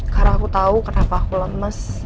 karena aku tau kenapa aku lemes